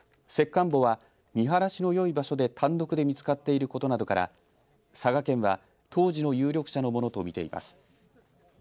石棺墓は見晴らしのよい場所で単独に見つかっていることなどから佐賀県は当時の有力者のものと見ています。